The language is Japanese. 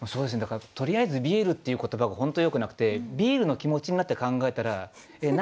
「とりあえずビール」っていう言葉が本当よくなくてビールの気持ちになって考えたら「何？